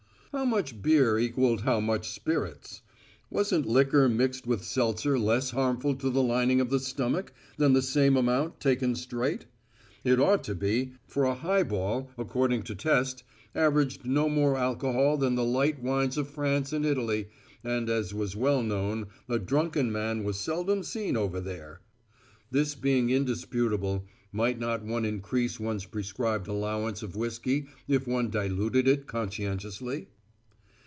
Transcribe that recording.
How much beer equaled how much spirits? Wasn't liquor mixed with seltzer less harmful to the lining of the stomach than the same amount taken straight? It ought to be, for a highball, according to test, averaged no more alcohol than the light wines of France and Italy, and as was well known, a drunken man was seldom seen over there. This being indisputable, might not one increase one's prescribed allowance of whiskey if one diluted it conscientiously?